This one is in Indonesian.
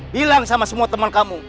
bilang sama semua teman kamu